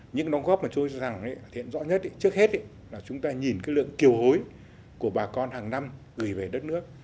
những đóng góp mà tôi cho rằng hiện rõ nhất trước hết là chúng ta nhìn cái lượng kiều hối của bà con hàng năm gửi về đất nước